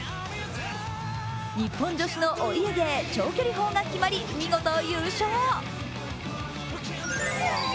日本女子のお家芸・長距離砲が決まり見事優勝。